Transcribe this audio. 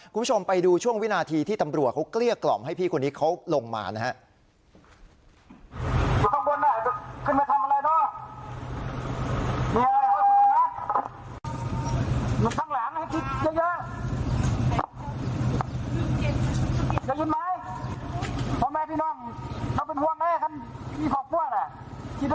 คุณผู้ชมไปดูช่วงวินาทีที่ตำรวจเขาเกลี้ยกล่อมให้พี่คนนี้เขาลงมานะครับ